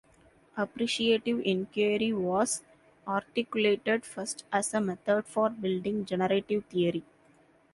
Appreciative Inquiry was articulated first as a method for building generative theory.